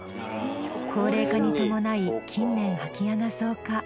高齢化にともない近年空き家が増加。